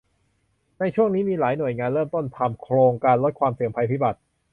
ในช่วงนี้มีหลายหน่วยงานเริ่มต้นทำโครงการลดความเสี่ยงภัยพิบัติ